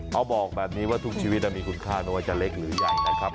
บอกแบบนี้ว่าทุกชีวิตมีคุณค่าไม่ว่าจะเล็กหรือใหญ่นะครับ